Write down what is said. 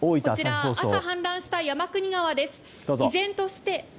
こちらは朝氾濫した山国川です。